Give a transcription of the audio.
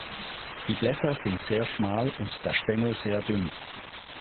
Die Blätter sind sehr schmal und der Stängel sehr dünn.